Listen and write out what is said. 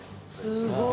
すごーい。